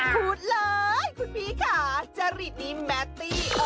พูดเลยคุณพี่ค่ะจริตนี้แมตตี้